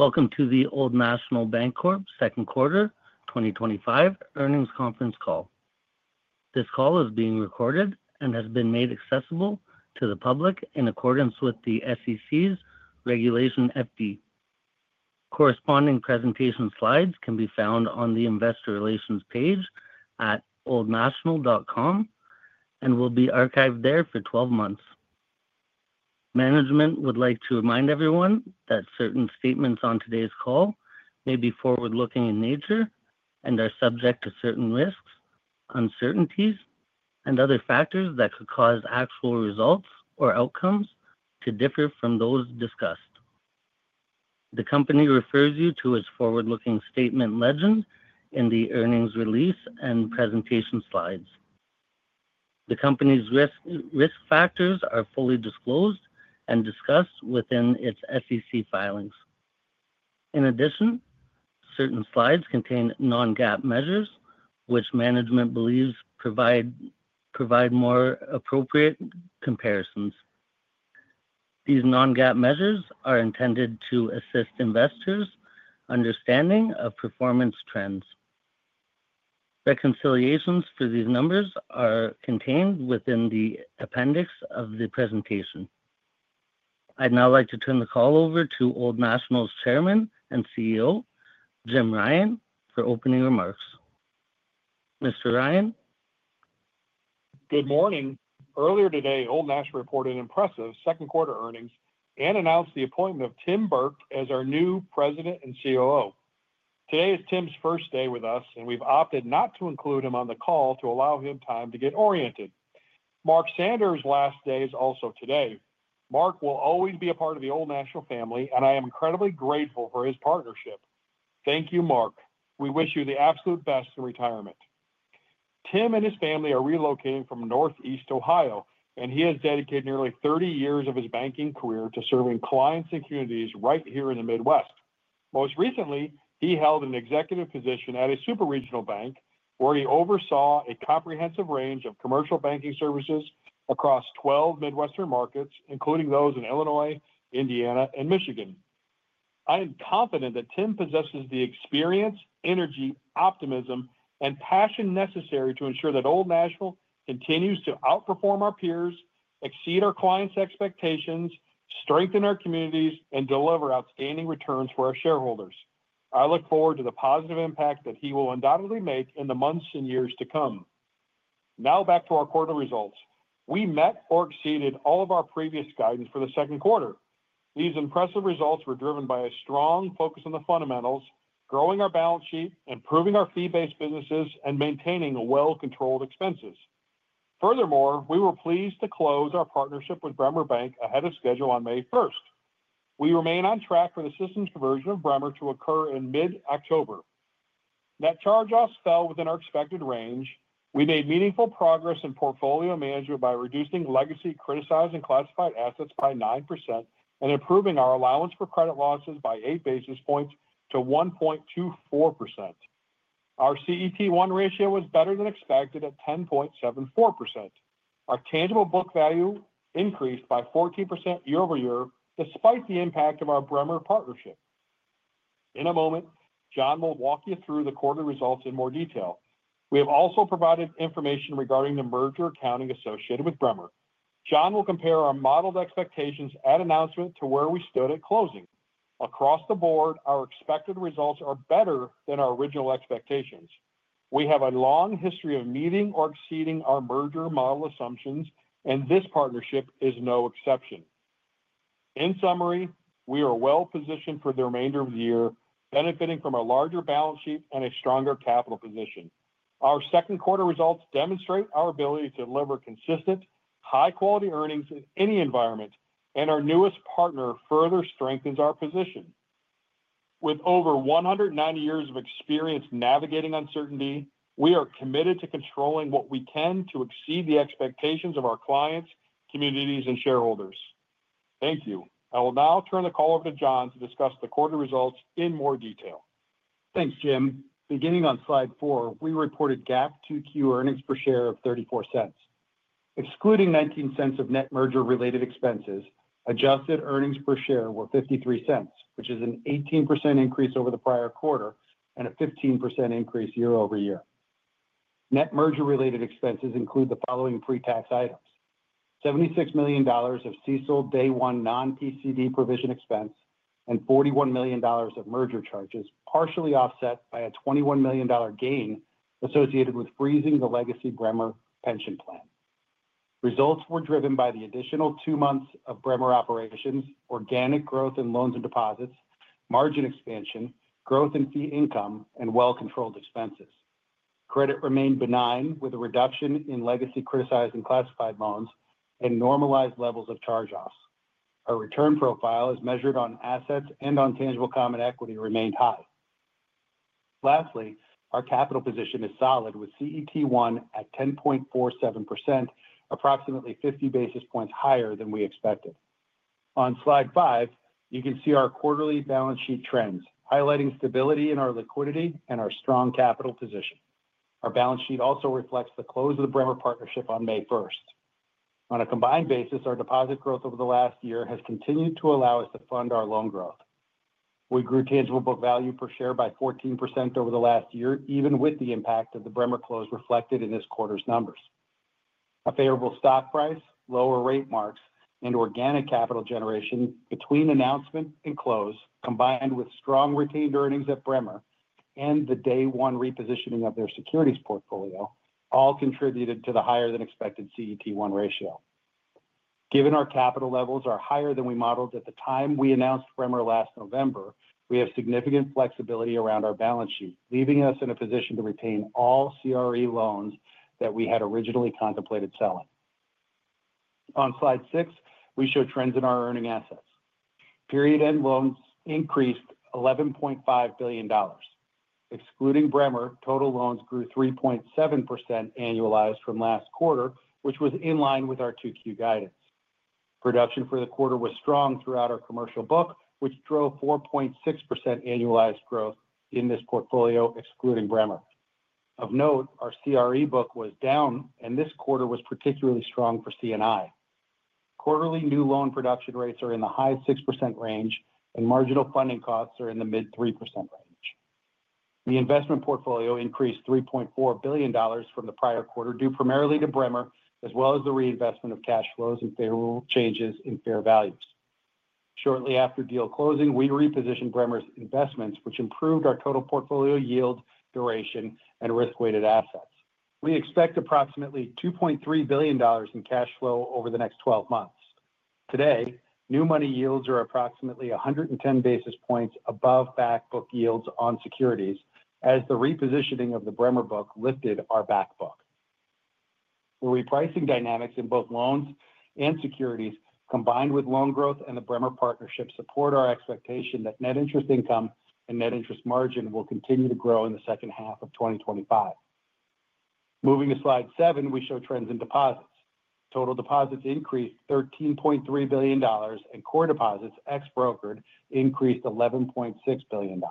Welcome to the Old National Bancorp Second Quarter 2025 Earnings Conference Call. This call is being recorded and has been made accessible to the public in accordance with the SEC's Regulation FD. Corresponding presentation slides can be found on the investor relations page at oldnational.com and will be archived there for 12 months. Management would like to remind everyone that certain statements on today's call may be forward-looking in nature and are subject to certain risks, uncertainties, and other factors that could cause actual results or outcomes to differ from those discussed. The company refers you to its forward-looking statement legend in the earnings release and presentation slides. The company's risk factors are fully disclosed and discussed within its SEC filings. In addition, certain slides contain non-GAAP measures, which management believes provide more appropriate comparisons. These non-GAAP measures are intended to assist investors' understanding of performance trends. Reconciliations for these numbers are contained within the appendix of the presentation. I'd now like to turn the call over to Old National's Chairman and CEO, Jim Ryan, for opening remarks. Mr. Ryan? Good morning. Earlier today, Old National reported impressive second quarter earnings and announced the appointment of Tim Burke as our new President and COO. Today is Tim's first day with us, and we've opted not to include him on the call to allow him time to get oriented. Mark Sander's last day is also today. Mark will always be a part of the Old National family, and I am incredibly grateful for his partnership. Thank you, Mark. We wish you the absolute best in retirement. Tim and his family are relocating from Northeast Ohio, and he has dedicated nearly 30 years of his banking career to serving clients and communities right here in the Midwest. Most recently, he held an executive position at a super regional bank where he oversaw a comprehensive range of commercial banking services across 12 Midwestern markets, including those in Illinois, Indiana, and Michigan. I am confident that Tim possesses the experience, energy, optimism, and passion necessary to ensure that Old National continues to outperform our peers, exceed our clients' expectations, strengthen our communities, and deliver outstanding returns for our shareholders. I look forward to the positive impact that he will undoubtedly make in the months and years to come. Now back to our quarterly results. We met or exceeded all of our previous guidance for the second quarter. These impressive results were driven by a strong focus on the fundamentals, growing our balance sheet, improving our fee-based businesses, and maintaining well-controlled expenses. Furthermore, we were pleased to close our partnership with Bremer Bank ahead of schedule on May 1st. We remain on track for the systems conversion of Bremer to occur in mid-October. Net charge-offs fell within our expected range. We made meaningful progress in portfolio management by reducing legacy criticized and classified assets by 9% and improving our allowance for credit losses by 8 basis points to 1.24%. Our CET1 ratio was better than expected at 10.74%. Our tangible book value increased by 14% year-over-year despite the impact of our Bremer partnership. In a moment, John will walk you through the quarterly results in more detail. We have also provided information regarding the merger accounting associated with Bremer. John will compare our modeled expectations at announcement to where we stood at closing. Across the board, our expected results are better than our original expectations. We have a long history of meeting or exceeding our merger model assumptions, and this partnership is no exception. In summary, we are well positioned for the remainder of the year, benefiting from a larger balance sheet and a stronger capital position. Our second quarter results demonstrate our ability to deliver consistent, high-quality earnings in any environment, and our newest partner further strengthens our position. With over 190 years of experience navigating uncertainty, we are committed to controlling what we can to exceed the expectations of our clients, communities, and shareholders. Thank you. I will now turn the call over to John to discuss the quarterly results in more detail. Thanks, Jim. Beginning on slide four, we reported GAAP 2Q earnings per share of $0.34. Excluding $0.19 of net merger-related expenses, adjusted earnings per share were $0.53, which is an 18% increase over the prior quarter and a 15% increase year-over year. Net merger-related expenses include the following pre-tax items: $76 million of CECL Day One non-PCD provision expense and $41 million of merger charges, partially offset by a $21 million gain associated with freezing the legacy Bremer pension plan. Results were driven by the additional two months of Bremer operations, organic growth in loans and deposits, margin expansion, growth in fee income, and well-controlled expenses. Credit remained benign, with a reduction in legacy criticized and classified loans and normalized levels of charge-offs. Our return profile, as measured on assets and on tangible common equity, remained high. Lastly, our capital position is solid with CET1 at 10.47%, approximately 50 basis points higher than we expected. On slide five, you can see our quarterly balance sheet trends, highlighting stability in our liquidity and our strong capital position. Our balance sheet also reflects the close of the Bremer partnership on May 1st. On a combined basis, our deposit growth over the last year has continued to allow us to fund our loan growth. We grew tangible book value per share by 14% over the last year, even with the impact of the Bremer close reflected in this quarter's numbers. A favorable stock price, lower rate marks, and organic capital generation between announcement and close, combined with strong retained earnings at Bremer and the Day One repositioning of their securities portfolio, all contributed to the higher than expected CET1 ratio. Given our capital levels are higher than we modeled at the time we announced Bremer last November, we have significant flexibility around our balance sheet, leaving us in a position to retain all CRE loans that we had originally contemplated selling. On slide six, we show trends in our earning assets. Period end loans increased $11.5 billion. Excluding Bremer, total loans grew 3.7% annualized from last quarter, which was in line with our 2Q guidance. Production for the quarter was strong throughout our commercial book, which drove 4.6% annualized growth in this portfolio, excluding Bremer. Of note, our CRE book was down, and this quarter was particularly strong for CNI. Quarterly new loan production rates are in the high 6% range, and marginal funding costs are in the mid 3% range. The investment portfolio increased $3.4 billion from the prior quarter, due primarily to Breme as well as the reinvestment of cash flows and favorable changes in fair values. Shortly after deal closing, we repositioned Bremer's investments, which improved our total portfolio yield, duration, and risk-weighted assets. We expect approximately $2.3 billion in cash flow over the next 12 months. Today, new money yields are approximately 110 basis points above backbook yields on securities, as the repositioning of the Bremer book lifted our backbook. The repricing dynamics in both loans and securities, combined with loan growth and the Bremer partnership, support our expectation that net interest income and net interest margin will continue to grow in the second half of 2025. Moving to slide seven, we show trends in deposits. Total deposits increased $13.3 billion, and core deposits ex-brokered increased $11.6 billion.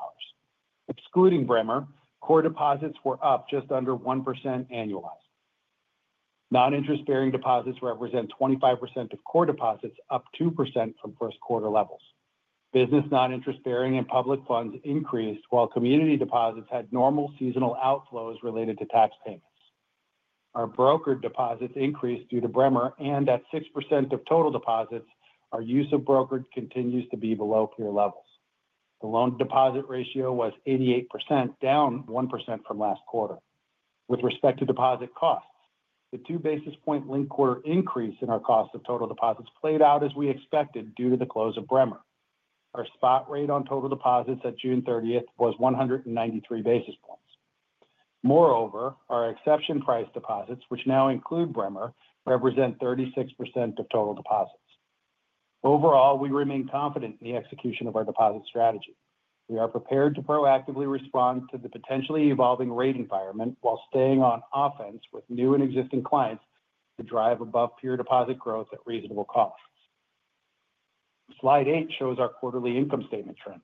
Excluding Bremer, core deposits were up just under 1% annualized. Non-interest-bearing deposits represent 25% of core deposits, up 2% from first quarter levels. Business non-interest-bearing and public funds increased, while community deposits had normal seasonal outflows related to tax payments. Our brokered deposits increased due to Bremer, and at 6% of total deposits, our use of brokered continues to be below peer levels. The loan to deposit ratio was 88%, down 1% from last quarter. With respect to deposit costs, the 2-basis-point linked-quarter increase in our cost of total deposits played out as we expected due to the close of Bremer. Our spot rate on total deposits at June 30th was 193 basis points. Moreover, our exception price deposits, which now include Bremer, represent 36% of total deposits. Overall, we remain confident in the execution of our deposit strategy. We are prepared to proactively respond to the potentially evolving rate environment while staying on offense with new and existing clients to drive above peer deposit growth at reasonable costs. Slide eight shows our quarterly income statement trends.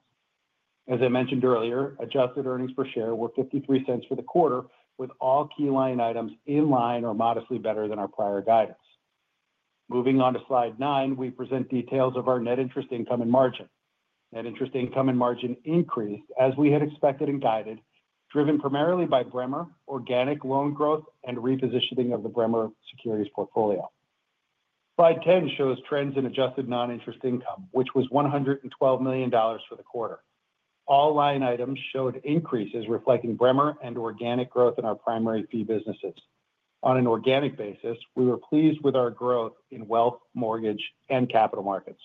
As I mentioned earlier, adjusted earnings per share were $0.53 for the quarter, with all key line items in line or modestly better than our prior guidance. Moving on to slide nine, we present details of our net interest income and margin. Net interest income and margin increased as we had expected and guided, driven primarily by Bremer, organic loan growth, and repositioning of the Bremer securities portfolio. Slide 10 shows trends in adjusted non-interest income, which was $112 million for the quarter. All line items showed increases reflecting Bremer and organic growth in our primary fee-based businesses. On an organic basis, we were pleased with our growth in wealth management, mortgage services, and capital markets.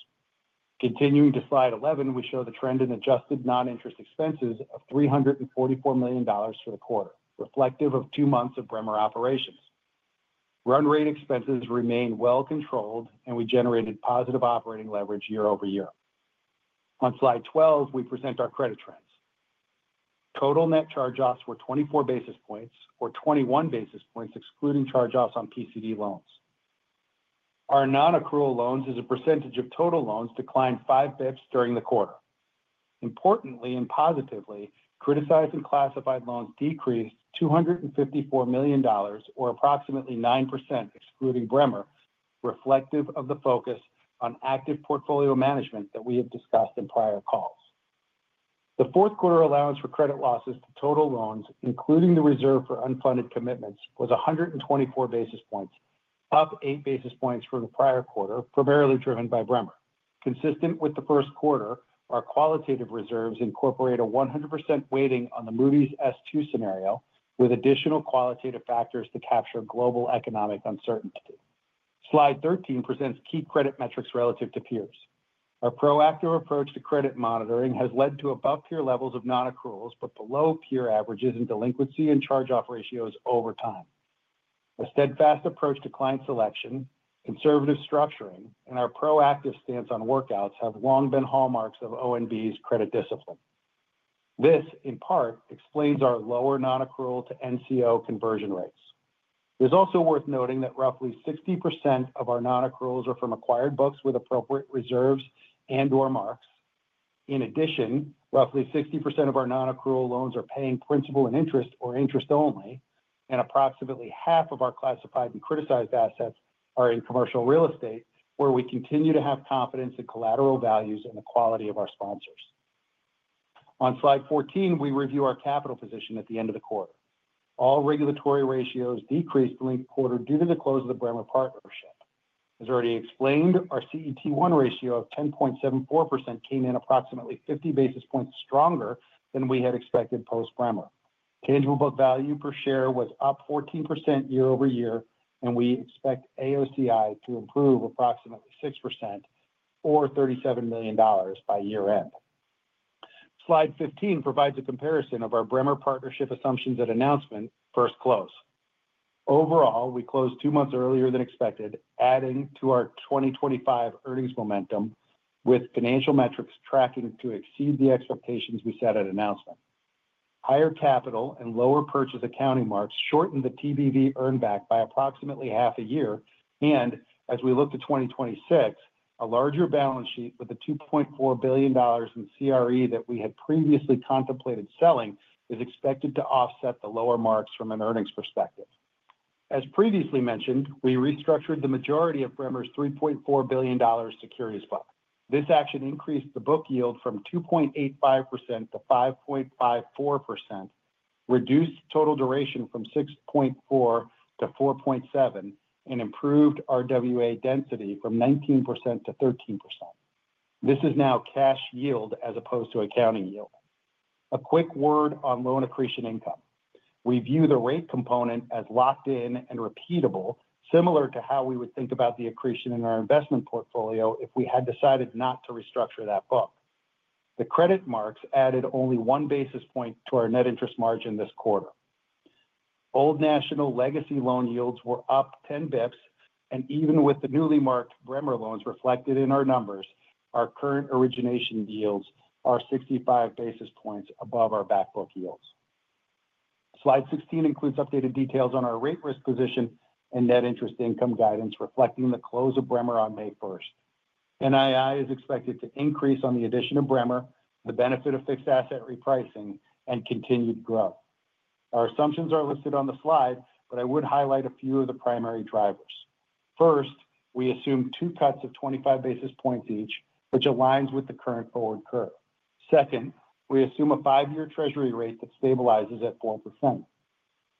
Continuing to slide 11, we show the trend in adjusted non-interest expenses of $344 million for the quarter, reflective of two months of Bremer operations. Run rate expenses remain well controlled, and we generated positive operating leverage year-over-year. On slide 12, we present our credit trends. Total net charge-offs were 24 basis points, or 21 basis points excluding charge-offs on PCD loans. Our non-accrual loans as a percentage of total loans declined five-fifths during the quarter. Importantly and positively, criticized and classified loans decreased $254 million, or approximately 9% excluding Bremer, reflective of the focus on active portfolio management that we have discussed in prior calls. The fourth quarter allowance for credit losses to total loans, including the reserve for unfunded commitments, was 124 basis points, up 8 basis points from the prior quarter, primarily driven by Bremer. Consistent with the first quarter, our qualitative reserves incorporate a 100% weighting on the Moody's S2 scenario, with additional qualitative factors to capture global economic uncertainty. Slide 13 presents key credit metrics relative to peers. Our proactive approach to credit monitoring has led to above peer levels of non-accruals but below peer averages in delinquency and charge-off ratios over time. A steadfast approach to client selection, conservative structuring, and our proactive stance on workouts have long been hallmarks of ONB's credit discipline. This, in part, explains our lower non-accrual to NCO conversion rates. It is also worth noting that roughly 60% of our non-accruals are from acquired books with appropriate reserves and/or marks. In addition, roughly 60% of our non-accrual loans are paying principal and interest or interest only, and approximately half of our classified and criticized assets are in commercial real estate, where we continue to have confidence in collateral values and the quality of our sponsors. On slide 14, we review our capital position at the end of the quarter. All regulatory ratios decreased linked quarter due to the close of the Bremer partnership. As already explained, our CET1 ratio of 10.74% came in approximately 50 basis points stronger than we had expected post-Bremer. Tangible book value per share was up 14% year-over-year, and we expect AOCI to improve approximately 6% or $37 million by year-end. Slide 15 provides a comparison of our Bremer partnership assumptions at announcement, first close. Overall, we closed two months earlier than expected, adding to our 2025 earnings momentum with financial metrics tracking to exceed the expectations we set at announcement. Higher capital and lower purchase accounting marks shortened the TBV earnback by approximately half a year, and as we look to 2026, a larger balance sheet with the $2.4 billion in CRE that we had previously contemplated selling is expected to offset the lower marks from an earnings perspective. As previously mentioned, we restructured the majority of Bremer's $3.4 billion securities fund. This action increased the book yield from 2.85% to 5.54%, reduced total duration from 6.4% to 4.7%, and improved RWA density from 19% to 13%. This is now cash yield as opposed to accounting yield. A quick word on loan accretion income. We view the rate component as locked in and repeatable, similar to how we would think about the accretion in our investment portfolio if we had decided not to restructure that book. The credit marks added only one basis point to our net interest margin this quarter. Old National legacy loan yields were up 10 bps, and even with the newly marked Bremer loans reflected in our numbers, our current origination yields are 65 basis points above our backbook yields. Slide 16 includes updated details on our rate risk position and net interest income guidance reflecting the close of Bremer on May 1st. NII is expected to increase on the addition of Bremer, the benefit of fixed asset repricing, and continued growth. Our assumptions are listed on the slide, but I would highlight a few of the primary drivers. First, we assume two cuts of 25 basis points each, which aligns with the current forward curve. Second, we assume a five-year treasury rate that stabilizes at 4%.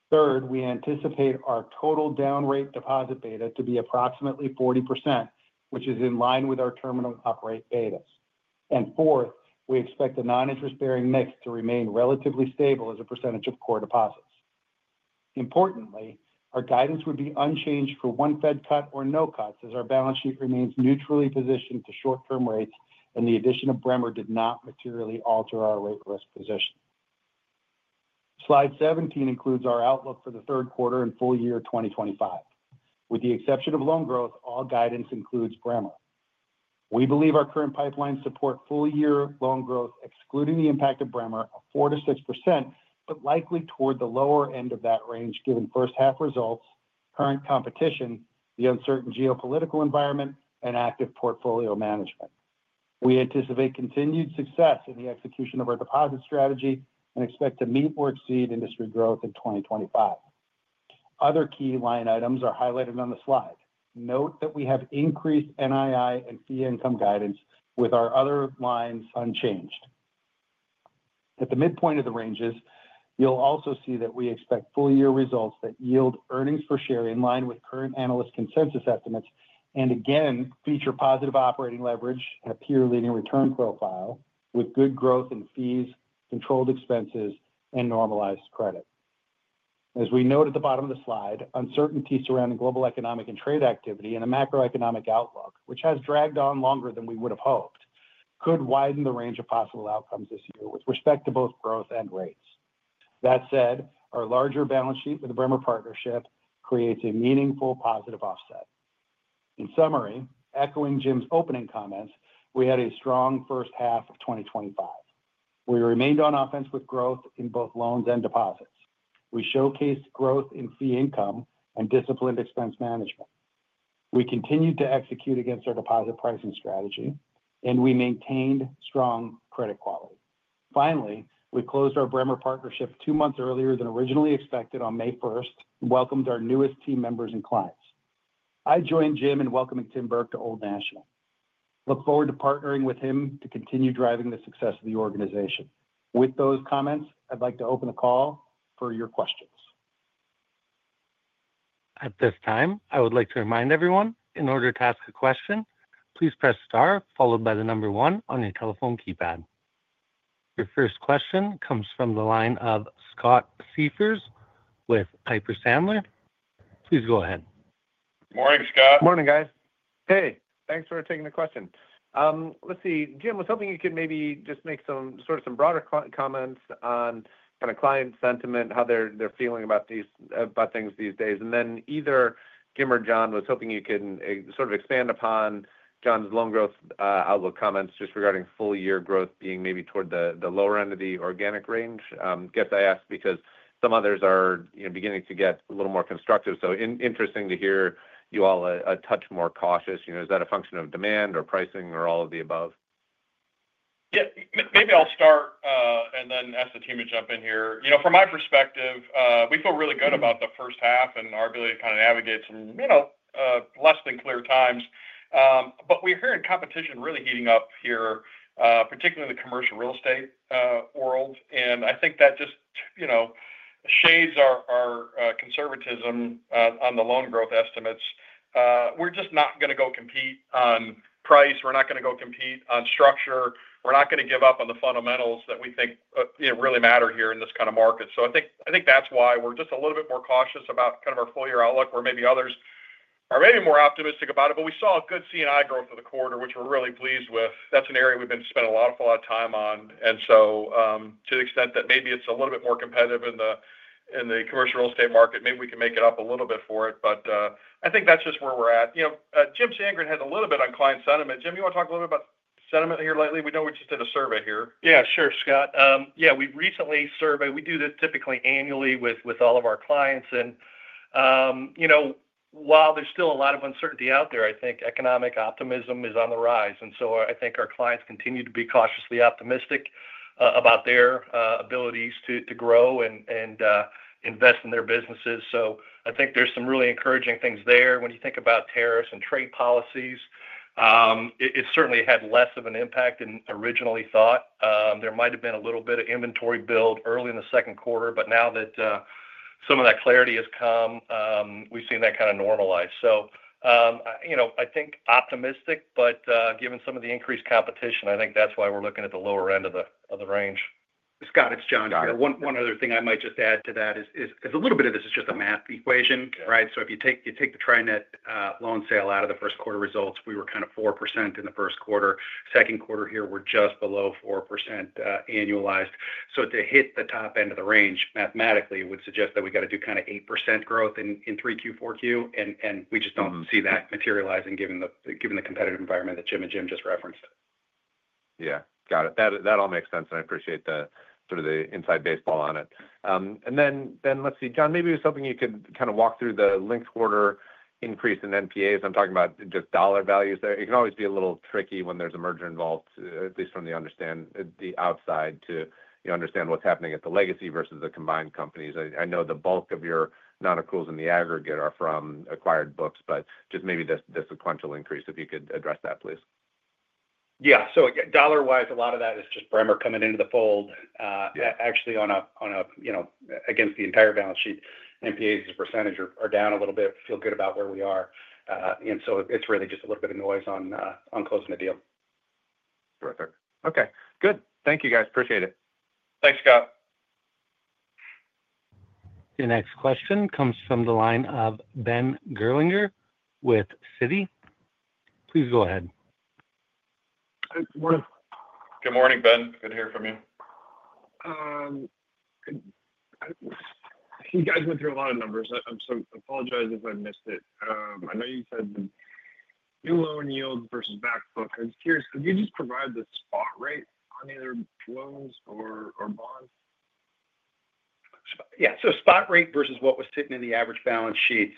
Third, we anticipate our total down rate deposit beta to be approximately 40%, which is in line with our terminal up rate betas. Fourth, we expect a non-interest-bearing mix to remain relatively stable as a percentage of core deposits. Importantly, our guidance would be unchanged for one Fed cut or no cuts as our balance sheet remains neutrally positioned to short-term rates, and the addition of Bremer did not materially alter our rate risk position. Slide 17 includes our outlook for the third quarter and full year 2025. With the exception of loan growth, all guidance includes Bremer. We believe our current pipeline supports full-year loan growth, excluding the impact of Bremer, of 4% to 6%, but likely toward the lower end of that range given first half results, current competition, the uncertain geopolitical environment, and active portfolio management. We anticipate continued success in the execution of our deposit strategy and expect to meet or exceed industry growth in 2025. Other key line items are highlighted on the slide. Note that we have increased NII and fee income guidance with our other lines unchanged. At the midpoint of the ranges, you'll also see that we expect full-year results that yield earnings per share in line with current analyst consensus estimates and again feature positive operating leverage and a peer-leaning return profile with good growth in fees, controlled expenses, and normalized credit. As we note at the bottom of the slide, uncertainty surrounding global economic and trade activity and a macroeconomic outlook, which has dragged on longer than we would have hoped, could widen the range of possible outcomes this year with respect to both growth and rates. That said, our larger balance sheet with the Bremer partnership creates a meaningful positive offset. In summary, echoing Jim's opening comments, we had a strong first half of 2025. We remained on offense with growth in both loans and deposits. We showcased growth in fee income and disciplined expense management. We continued to execute against our deposit pricing strategy, and we maintained strong credit quality. Finally, we closed our Bremer partnership two months earlier than originally expected on May 1st and welcomed our newest team members and clients. I join Jim in welcoming Tim Burke to Old National. I look forward to partnering with him to continue driving the success of the organization. With those comments, I'd like to open the call for your questions. At this time, I would like to remind everyone, in order to ask a question, please press star followed by the number one on your telephone keypad. Your first question comes from the line of Scott Siefers with Piper Sandler. Please go ahead. Morning, Scott. Morning, guys. Hey, thanks for taking the question. Jim, was hoping you could maybe just make some broader comments on kind of client sentiment, how they're feeling about these things these days. Then either Jim or John, was hoping you could sort of expand upon John's loan growth outlook comments just regarding full-year growth being maybe toward the lower end of the organic range. I guess I ask because some others are beginning to get a little more constructive. Interesting to hear you all a touch more cautious. Is that a function of demand or pricing or all of the above? Yeah, maybe I'll start and then ask the team to jump in here. You know, from my perspective, we feel really good about the first half and our ability to kind of navigate some, you know, less than clear times. We're hearing competition really heating up here, particularly in the commercial real estate world. I think that just, you know, shades our conservatism on the loan growth estimates. We're just not going to go compete on price. We're not going to go compete on structure. We're not going to give up on the fundamentals that we think really matter here in this kind of market. I think that's why we're just a little bit more cautious about kind of our full-year outlook, where maybe others are maybe more optimistic about it. We saw good CNI growth for the quarter, which we're really pleased with. That's an area we've been spending a lot of time on. To the extent that maybe it's a little bit more competitive in the commercial real estate market, maybe we can make it up a little bit for it. I think that's just where we're at. Jim Sandgren had a little bit on client sentiment. Jim, you want to talk a little bit about sentiment here lately? We know we just did a survey here. Yeah, sure, Scott. We recently surveyed. We do this typically annually with all of our clients. While there's still a lot of uncertainty out there, I think economic optimism is on the rise. I think our clients continue to be cautiously optimistic about their abilities to grow and invest in their businesses. I think there's some really encouraging things there. When you think about tariffs and trade policies, it certainly had less of an impact than originally thought. There might have been a little bit of inventory build early in the second quarter, but now that some of that clarity has come, we've seen that kind of normalize. I think optimistic, but given some of the increased competition, I think that's why we're looking at the lower end of the range. Scott, it's John here. One other thing I might just add to that is a little bit of this is just a math equation, right? If you take the TriNet loan sale out of the first quarter results, we were kind of 4% in the first quarter. Second quarter here, we're just below 4% annualized. To hit the top end of the range, mathematically, it would suggest that we got to do kind of 8% growth in 3Q, 4Q, and we just don't see that materializing given the competitive environment that Jim and Jim just referenced. Yeah, got it. That all makes sense, and I appreciate the sort of the inside baseball on it. Let's see, John, maybe it was something you could kind of walk through the linked quarter increase in NPAs. I'm talking about just dollar values there. It can always be a little tricky when there's a merger involved, at least from the outside to understand what's happening at the legacy versus the combined companies. I know the bulk of your non-accruals in the aggregate are from acquired books, but just maybe this sequential increase, if you could address that, please. Yeah, so dollar-wise, a lot of that is just Bremer coming into the fold. Actually, on a, you know, against the entire balance sheet, NPAs as a percentage are down a little bit, feel good about where we are. It's really just a little bit of noise on closing the deal. Terrific. Okay, good. Thank you, guys. Appreciate it. Thanks, Scott. The next question comes from the line of Ben Gerlinger with Citi. Please go ahead. Good morning. Good morning, Ben. Good to hear from you. You guys went through a lot of numbers. I'm apologizing if I missed it. I know you said the new loan yield versus backbook. I was curious, could you just provide the spot rate on either loans or bonds? Yeah, spot rate versus what was sitting in the average balance sheet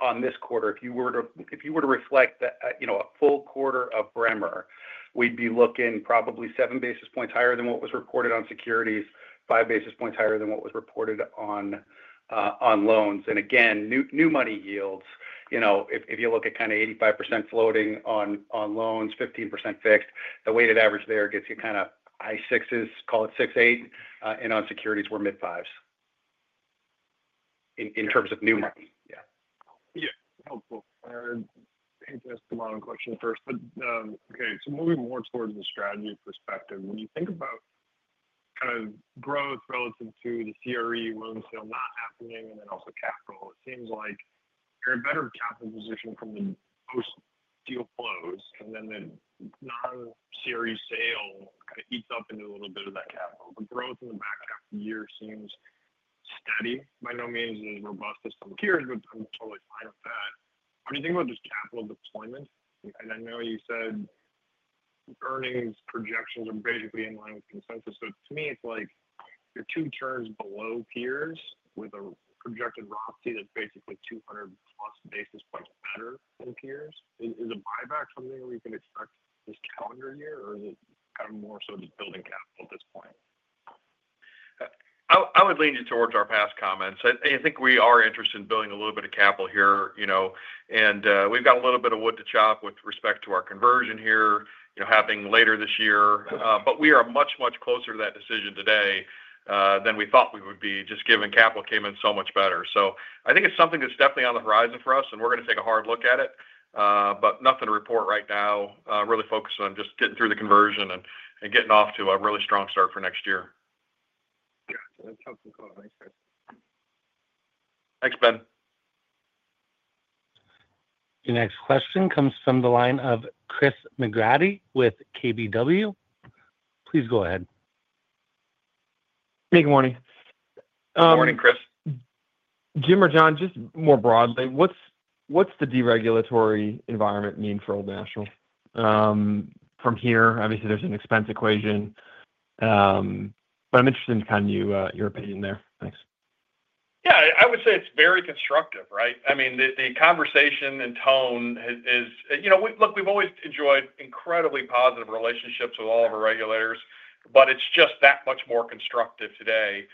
on this quarter. If you were to reflect a full quarter of Bremer, we'd be looking probably 7 basis points higher than what was reported on securities, 5 basis points higher than what was reported on loans. New money yields, you know, if you look at kind of 85% floating on loans, 15% fixed, the weighted average there gets you kind of high sixes, call it 6.8%, and on securities, we're mid-5s in terms of new money. Yeah. Yeah, helpful. I hate to ask the loan question first, but okay, moving more towards the strategy perspective, when you think about kind of growth relative to the CRE loan sale not happening and then also capital, it seems like you're in a better capital position from the post-deal flows and then the non-CRE sale kind of eats up into a little bit of that capital. The growth in the back half of the year seems steady, by no means as robust as some peers, but I'm totally fine with that. What do you think about just capital deployment? I know you said earnings projections are basically in line with consensus. To me, it's like you're two turns below peers with a projected ROC that's basically 200+ basis points is better than peers. Is a buyback something we could expect this calendar year, or is it kind of more so just building capital at this point? I would lean you towards our past comments. I think we are interested in building a little bit of capital here, and we've got a little bit of wood to chop with respect to our conversion here, happening later this year. We are much, much closer to that decision today than we thought we would be just given capital came in so much better. I think it's something that's definitely on the horizon for us, and we're going to take a hard look at it, but nothing to report right now. Really focusing on just getting through the conversion and getting off to a really strong start for next year. Thanks, Ben. The next question comes from the line of Chris McGratty with KBW. Please go ahead. Hey, good morning. Morning, Chris. Jim or John, just more broadly, what's the deregulatory environment mean for Old National? From here, obviously, there's an expense equation, but I'm interested in kind of your opinion there. Thanks. Yeah, I would say it's very constructive, right? I mean, the conversation and tone is, you know, look, we've always enjoyed incredibly positive relationships with all of our regulators, but it's just that much more constructive today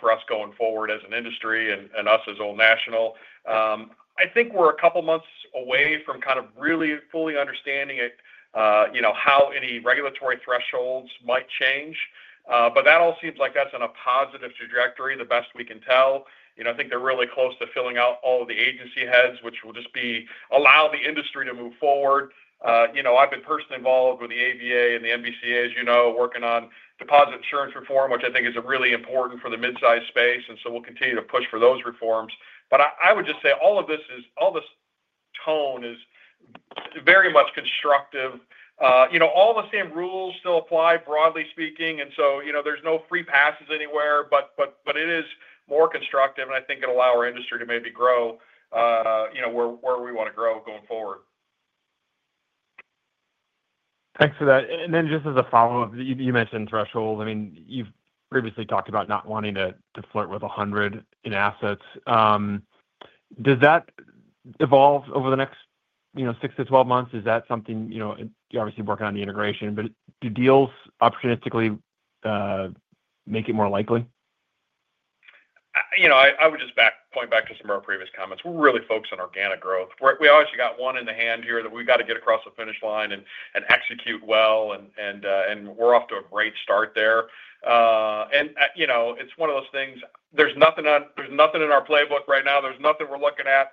for us going forward as an industry and us as Old National. I think we're a couple of months away from kind of really fully understanding it, you know, how any regulatory thresholds might change. That all seems like that's on a positive trajectory, the best we can tell. I think they're really close to filling out all of the agency heads, which will just allow the industry to move forward. I've been personally involved with the ABA and the NBCA's, as you know, working on deposit insurance reform, which I think is really important for the mid-sized space. We'll continue to push for those reforms. I would just say all of this is, all this tone is very much constructive. All the same rules still apply, broadly speaking. There's no free passes anywhere, but it is more constructive. I think it'll allow our industry to maybe grow, you know, where we want to grow going forward. Thanks for that. Just as a follow-up, you mentioned thresholds. I mean, you've previously talked about not wanting to flirt with $100 billion in assets. Does that evolve over the next, you know, 6 to 12 months? Is that something, you know, you're obviously working on the integration, but do deals opportunistically make it more likely? I would just point back to some of our previous comments. We're really focused on organic growth. We obviously got one in the hand here that we've got to get across the finish line and execute well. We're off to a great start there. It's one of those things. There's nothing in our playbook right now. There's nothing we're looking at.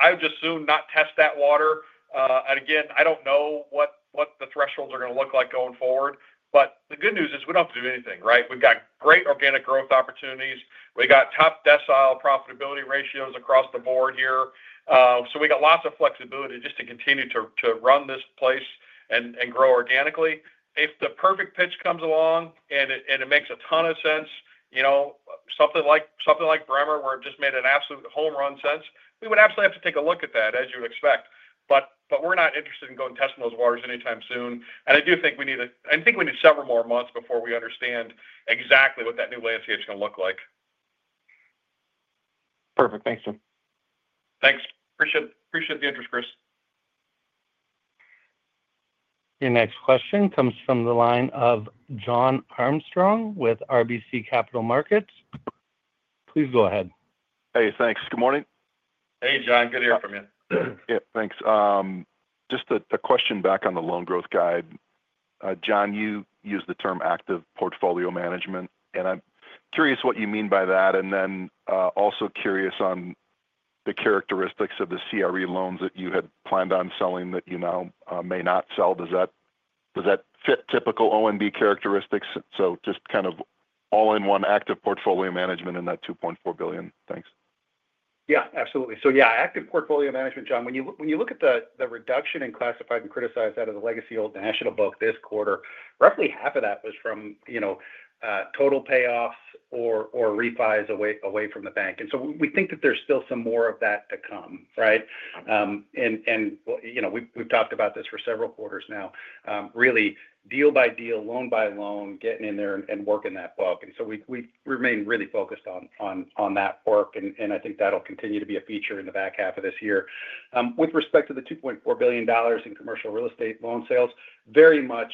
I would just assume not test that water. I don't know what the thresholds are going to look like going forward. The good news is we don't have to do anything, right? We've got great organic growth opportunities. We've got top decile profitability ratios across the board here. We've got lots of flexibility just to continue to run this place and grow organically. If the perfect pitch comes along and it makes a ton of sense, something like Bremer where it just made an absolute home run sense, we would absolutely have to take a look at that, as you would expect. We're not interested in going and testing those waters anytime soon. I do think we need several more months before we understand exactly what that new landscape is going to look like. Perfect. Thanks, Jim. Thanks. Appreciate the interest, Chris. Your next question comes from the line of Jon Arfstrom with RBC Capital Markets. Please go ahead. Hey, thanks. Good morning. Hey, Jon. Good to hear from you. Yeah, thanks. Just a question back on the loan growth guide. John, you use the term active portfolio management. I'm curious what you mean by that. I'm also curious on the characteristics of the CRE loans that you had planned on selling that you now may not sell. Does that fit typical ONB characteristics? Just kind of all in one, active portfolio management in that $2.4 billion. Thanks. Yeah, absolutely. Active portfolio management, Jon, when you look at the reduction in classified and criticized out of the legacy Old National book this quarter, roughly half of that was from total payoffs or refis away from the bank. We think that there's still some more of that to come, right? We've talked about this for several quarters now, really deal by deal, loan by loan, getting in there and working that book. We remain really focused on that work, and I think that'll continue to be a feature in the back half of this year. With respect to the $2.4 billion in commercial real estate loan sales, very much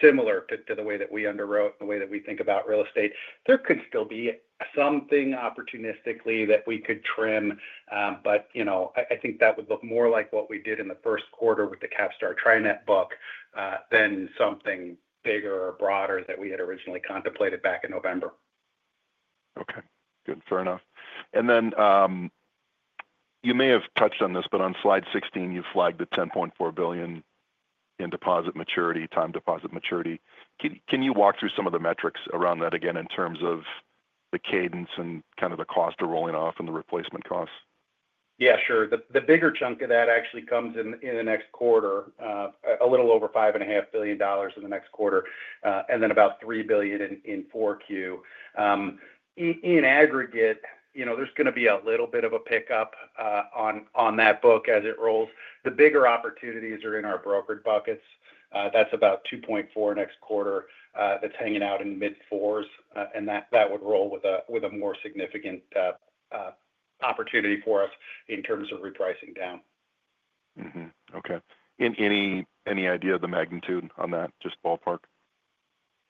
similar to the way that we underwrote and the way that we think about real estate, there could still be something opportunistically that we could trim. I think that would look more like what we did in the first quarter with the CapStar TriNet book than something bigger or broader that we had originally contemplated back in November. Okay, good. Fair enough. You may have touched on this, but on slide 16, you flagged the $10.4 billion in time deposit maturity. Can you walk through some of the metrics around that again in terms of the cadence and the cost of rolling off and the replacement costs? Yeah, sure. The bigger chunk of that actually comes in the next quarter, a little over $5.5 billion in the next quarter, and then about $3 billion in 4Q. In aggregate, you know, there's going to be a little bit of a pickup on that book as it rolls. The bigger opportunities are in our brokered buckets. That's about $2.4 billion next quarter that's hanging out in mid-4s, and that would roll with a more significant opportunity for us in terms of repricing down. Okay. Any idea of the magnitude on that, just ballpark?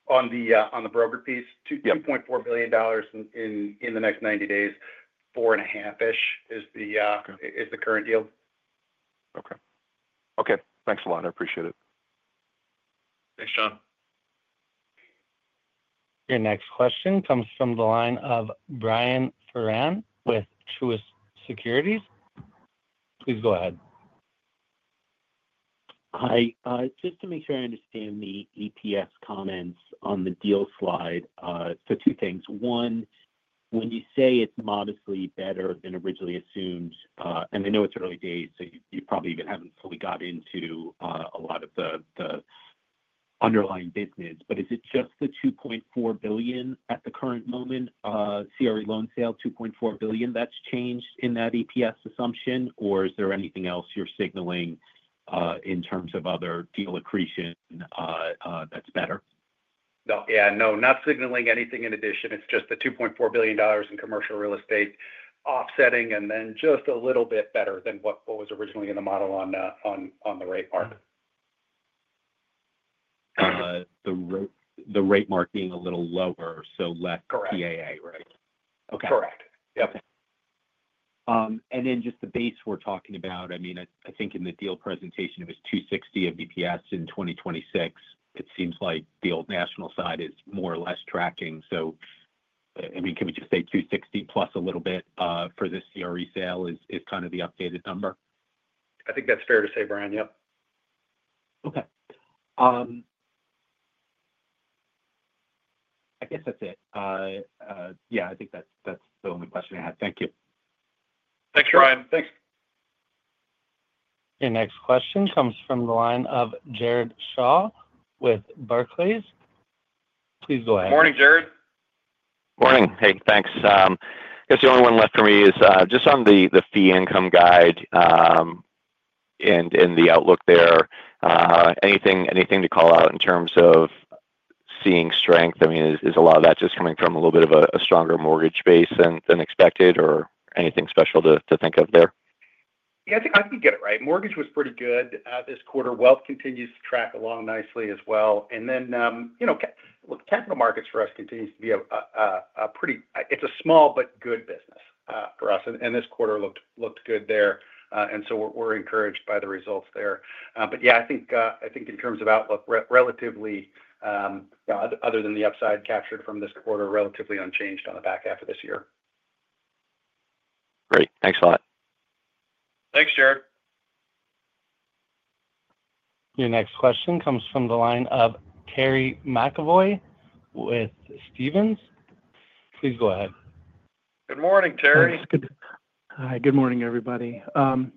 On the brokered piece, $2.4 billion in the next 90 days, $4.5-ish billion is the current deal. Okay, thanks a lot. I appreciate it. Thanks, Jon. Your next question comes from the line of Brian Foran with Truist Securities. Please go ahead. Hi. Just to make sure I understand the EPS comments on the deal slide. Two things. One, when you say it's modestly better than originally assumed, and I know it's early days, so you probably even haven't fully got into a lot of the underlying business, is it just the $2.4 billion at the current moment, CRE loan sale, $2.4 billion that's changed in that EPS assumption, or is there anything else you're signaling in terms of other deal accretion that's better? No, not signaling anything in addition. It's just the $2.4 billion in commercial real estate offsetting, and then just a little bit better than what was originally in the model on the rate mark. Got it. The rate mark being a little lower, so less TAA, right? Correct. Correct. Yep. Just the base we're talking about, I mean, I think in the deal presentation, it was $2.60 of EPS in 2026. It seems like the Old National side is more or less tracking. Can we just say $2.6+ a little bit for this CRE sale is kind of the updated number? I think that's fair to say, Brian. Yep. Okay, I guess that's it. Yeah, I think that's the only question I had. Thank you. Thanks, Brian. Thanks. Your next question comes from the line of Jared Shaw with Barclays. Please go ahead. Morning, Jared. Morning. Hey, thanks. I guess the only one left for me is just on the fee income guide and the outlook there. Anything to call out in terms of seeing strength? I mean, is a lot of that just coming from a little bit of a stronger mortgage base than expected, or anything special to think of there? Yeah, I think I can get it right. Mortgage was pretty good this quarter. Wealth continues to track along nicely as well. You know, look, capital markets for us continues to be a pretty, it's a small but good business for us. This quarter looked good there, and we're encouraged by the results there. Yeah, I think in terms of outlook, relatively, you know, other than the upside captured from this quarter, relatively unchanged on the back half of this year. Great, thanks a lot. Thanks, Jared. Your next question comes from the line of Terry McEvoy with Stephens. Please go ahead. Good morning, Terry. Hi. Good morning, everybody.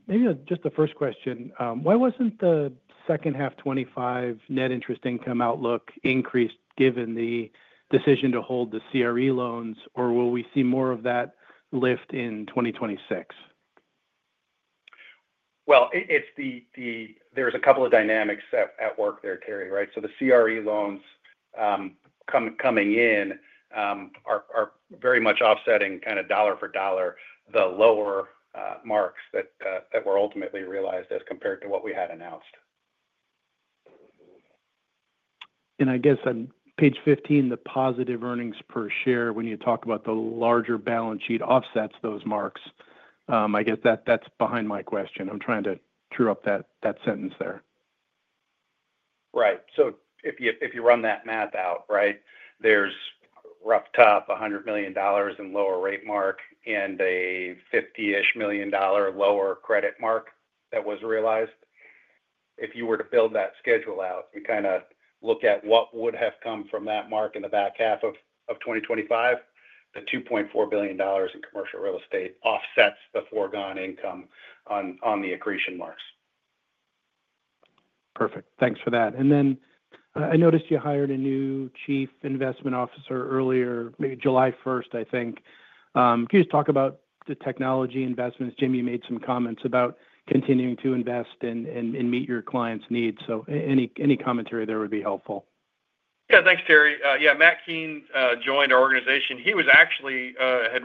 Maybe just the first question. Why wasn't the second half 2025 net interest income outlook increased given the decision to hold the CRE loans, or will we see more of that lift in 2026? There are a couple of dynamics at work there, Terry, right? The CRE loans coming in are very much offsetting, kind of dollar for dollar, the lower marks that were ultimately realized as compared to what we had announced. On page 15, the positive earnings per share, when you talk about the larger balance sheet offsets those marks, I guess that's behind my question. I'm trying to true up that sentence there. Right. If you run that math out, there's a rough top $100 million in lower rate mark and a $50-ish million lower credit mark that was realized. If you were to build that schedule out and look at what would have come from that mark in the back half of 2025, the $2.4 billion in commercial real estate offsets the foregone income on the accretion marks. Perfect. Thanks for that. I noticed you hired a new chief investment officer earlier, maybe July 1s,t I think. Could you just talk about the technology investments? Jim, you made some comments about continuing to invest and meet your clients' needs. Any commentary there would be helpful. Yeah, thanks, Terry. Matt Keen joined our organization. He was actually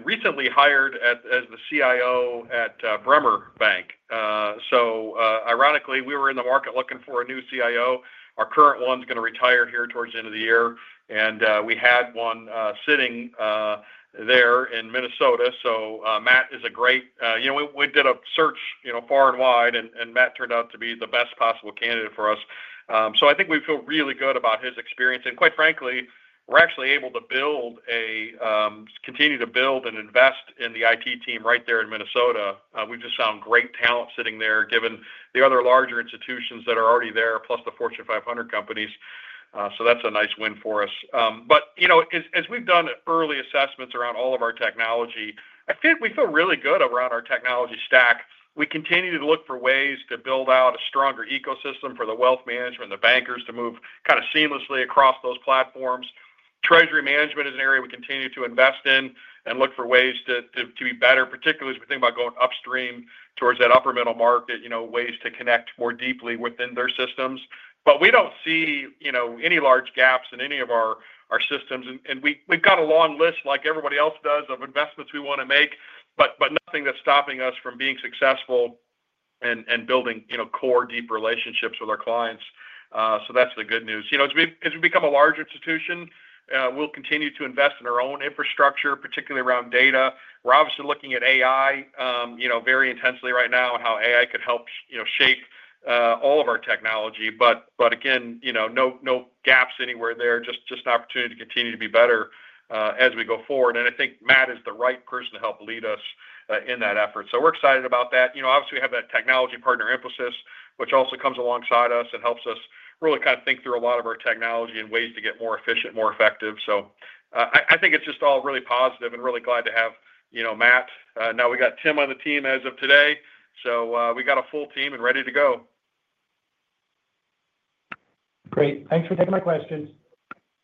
recently hired as the CIO at Bremer Bank. Ironically, we were in the market looking for a new CIO. Our current one's going to retire here towards the end of the year, and we had one sitting there in Minnesota. Matt is a great, you know, we did a search far and wide, and Matt turned out to be the best possible candidate for us. I think we feel really good about his experience. Quite frankly, we're actually able to continue to build and invest in the IT team right there in Minnesota. We've just found great talent sitting there, given the other larger institutions that are already there, plus the Fortune 500 companies. That's a nice win for us. As we've done early assessments around all of our technology, I think we feel really good around our technology stack. We continue to look for ways to build out a stronger ecosystem for the wealth management and the bankers to move kind of seamlessly across those platforms. Treasury management is an area we continue to invest in and look for ways to be better, particularly as we think about going upstream towards that upper middle market, ways to connect more deeply within their systems. We don't see any large gaps in any of our systems. We've got a long list, like everybody else does, of investments we want to make, but nothing that's stopping us from being successful and building core, deep relationships with our clients. That's the good news. As we become a larger institution, we'll continue to invest in our own infrastructure, particularly around data. We're obviously looking at AI very intensely right now and how AI could help shape all of our technology. Again, no gaps anywhere there, just an opportunity to continue to be better as we go forward. I think Matt is the right person to help lead us in that effort. We're excited about that. Obviously, we have that technology partner emphasis, which also comes alongside us and helps us really kind of think through a lot of our technology and ways to get more efficient, more effective. I think it's just all really positive and really glad to have Matt. Now we got Tim on the team as of today. We got a full team and ready to go. Great. Thanks for taking my questions.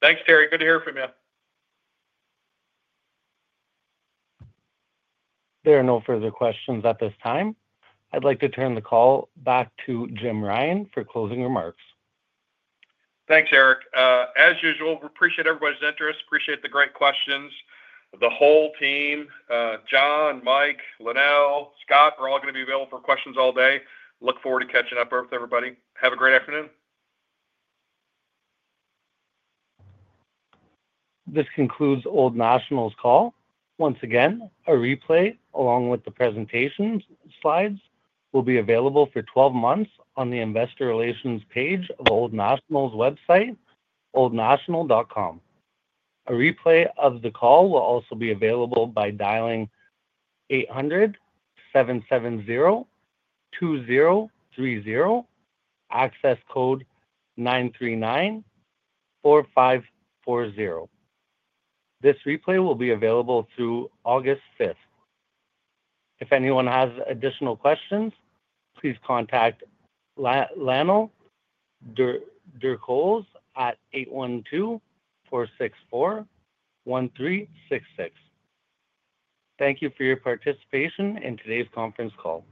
Thanks, Terry. Good to hear from you. There are no further questions at this time. I'd like to turn the call back to Jim Ryan for closing remarks. Thanks, Eric. As usual, we appreciate everybody's interest and appreciate the great questions. The whole team, John, Mike, Lynell, Scott, we're all going to be available for questions all day. Look forward to catching up with everybody. Have a great afternoon. This concludes Old National's call. Once again, a replay, along with the presentation slides, will be available for 12 months on the investor relations page, Old National's website, oldnational.com. A replay of the call will also be available by dialing 800-770-2030, access code 939-4540. This replay will be available through August 5th. If anyone has additional questions, please contact Lynell Durchholz at 812-464-1366. Thank you for your participation in today's conference call.